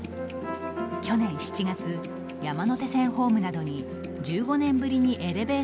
去年７月、山手線ホームなどに１５年ぶりにエレベーターを増設。